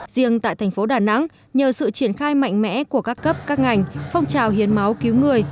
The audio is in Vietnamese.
riêng tại thành phố đà nẵng nhờ sự triển khai mạnh mẽ của các cấp các ngành phong trào hiến máu cứu người